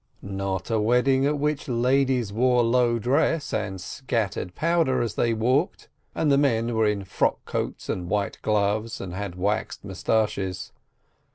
Not a wedding at which ladies wore low dress, and scattered powder as they walked, and the men were in frock coats and white gloves, and had waxed moustaches.